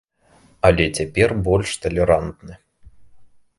Але цяпер больш талерантны.